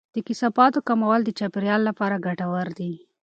د کثافاتو کمول د چاپیریال لپاره ګټور دی.